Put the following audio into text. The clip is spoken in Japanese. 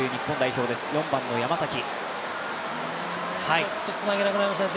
ちょっとつなげなくなりましたね